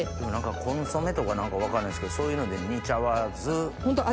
コンソメとか分かんないですけどそういうので煮ちゃわず？